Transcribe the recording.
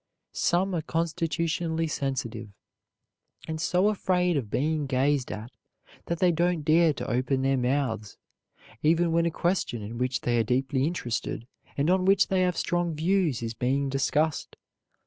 Some are constitutionally sensitive, and so afraid of being gazed at that they don't dare to open their mouths, even when a question in which they are deeply interested and on which they have strong views is being discussed.